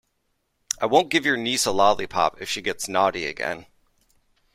I won't give your niece a lollipop if she gets naughty again.